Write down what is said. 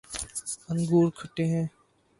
انگور کھٹے ہیں